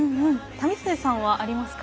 為末さんはありますか？